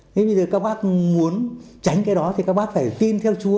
thế bây giờ các bác muốn tránh cái đó thì các bác phải tin theo chúa